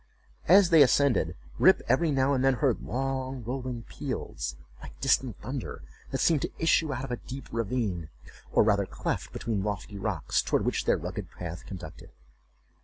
As they ascended, Rip every now and then heard long rolling peals, like distant thunder, that seemed to issue out of a deep ravine, or rather cleft, between lofty rocks, toward which their rugged path conducted.